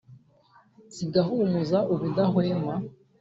zigahumuza ubudahwema .